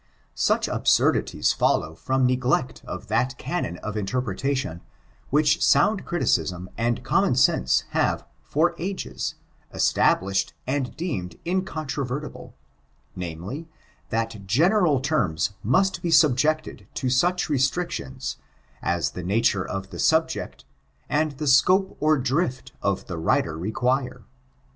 Such absurdities follow from neglect of that canon of interpretation, which sound criticism and common sense have, for ages, established and deemed incontixyvertiUey I ^^k^t^^^^^% I !■ i ,'' I ON ABOLEKONISIL 568 namelyy diat general terms must be fulijected to 8uch ieetxicdoD8» a» tbe nature of the subjecti and the Bcope cor drift of the writer require.